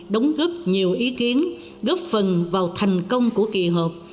đóng góp nhiều ý kiến góp phần vào thành công của kỳ họp